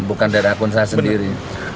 bukan dari akun saya sendiri